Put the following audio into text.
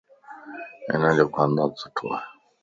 ھنَ جو خاندان سھڻوَ